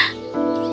kau akan menyesalinya